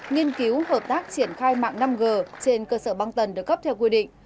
nghiên cứu hợp tác triển khai mạng năm g trên cơ sở băng tần được cấp theo quy định